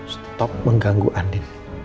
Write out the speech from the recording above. stop mengganggu andi